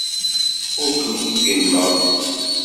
Ur ken-id-gellmeɣ.